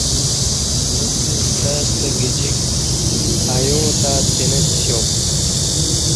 اݩڅ ستہ ستہ گجِک ایوݩع تہ تِینہ سیوم